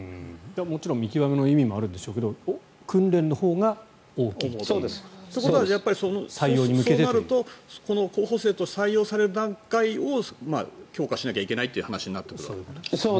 もちろん見極めの意味もあるんでしょうけどそうなるとこの候補生として採用される段階を強化しないといけないという話になってくるわけですね。